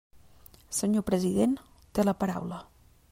Senyor president, té la paraula.